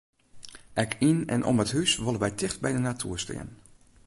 Ek yn en om it hús wolle wy ticht by de natoer stean.